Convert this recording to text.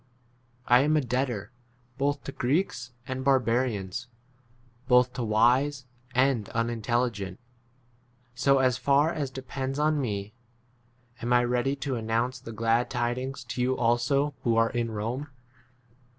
I am a debtor both to Greeks and barbarians, 15 both to wise and unintelligent : so, as far as depends on me, am I ready to announce the glad tiding3 to you also who [are] in Eome.